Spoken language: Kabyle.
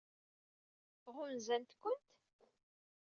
Ɣunzant-kent?